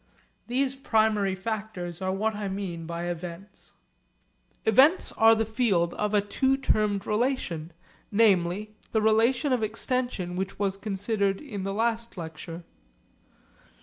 These primary factors are what I mean by events. Events are the field of a two termed relation, namely the relation of extension which was considered in the last lecture.